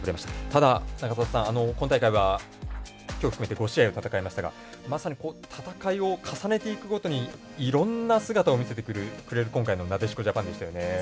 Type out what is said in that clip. ただ、今大会は今日を含めて５試合を戦いましたがまさに、戦いを重ねていくごとにいろんな姿を見せてくれる今回のなでしこジャパンでしたね。